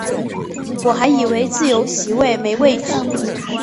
我还以为自由席会没位子